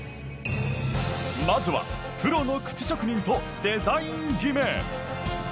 まずはプロの靴職人とデザイン決め。